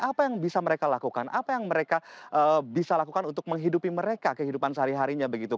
apa yang bisa mereka lakukan apa yang mereka bisa lakukan untuk menghidupi mereka kehidupan sehari harinya begitu